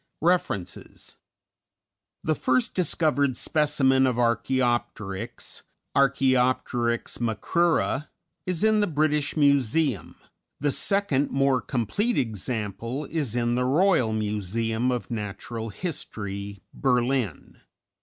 REFERENCES _The first discovered specimen of Archæopteryx, Archæopteryx macrura, is in the British Museum, the second more complete example is in the Royal Museum of Natural History, Berlin.